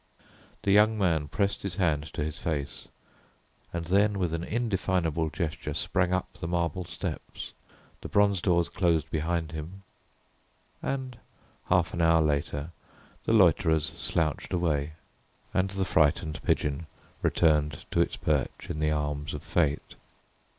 The young man pressed his hand to his face, and then with an undefinable gesture sprang up the marble steps, the bronze doors closed behind him, and half an hour later the loiterers slouched away, and the frightened pigeon returned to its perch in the arms of Fate.